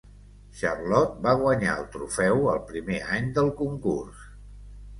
Charlotte va guanyar el trofeu el primer any del concurs.